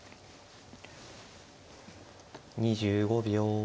２５秒。